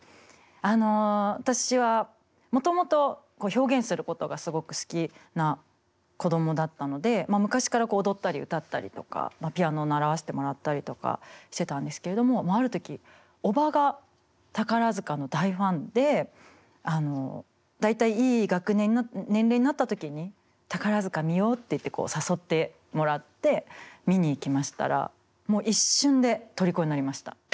あの私はもともと表現することがすごく好きな子供だったので昔から踊ったり歌ったりとかピアノ習わせてもらったりとかしてたんですけれどもある時おばが宝塚の大ファンで大体いい年齢になった時に「宝塚見よう」っていってこう誘ってもらって見に行きましたらもう一瞬でとりこになりました。